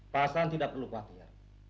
pasangan tidak perlu khawatir